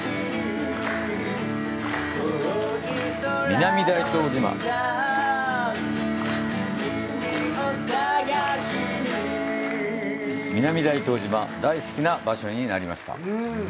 南大東島、大好きな場所になりました！